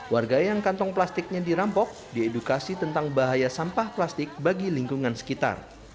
warga yang kantong plastiknya dirampok diedukasi tentang bahaya sampah plastik bagi lingkungan sekitar